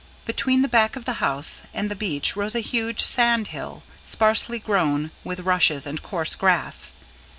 Between the back of the house and the beach rose a huge sand hill, sparsely grown with rushes and coarse grass.